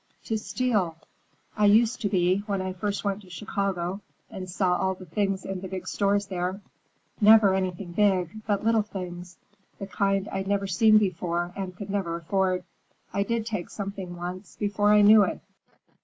"To steal. I used to be, when I first went to Chicago and saw all the things in the big stores there. Never anything big, but little things, the kind I'd never seen before and could never afford. I did take something once, before I knew it."